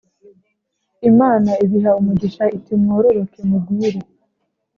Imana ibiha umugisha iti mwororoke mugwire